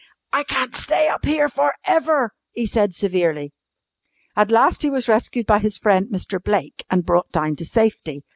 "I can't stay up here for ever," he said severely. At last he was rescued by his friend Mr. Blake and brought down to safety.